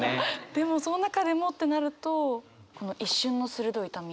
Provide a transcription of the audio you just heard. でもそんな中でもってなるとこの「一瞬の鋭い痛み」。